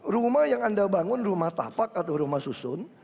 rumah yang anda bangun rumah tapak atau rumah susun